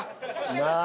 なあ？